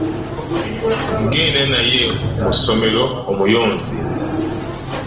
Genda naye mu ssomero omuyonse.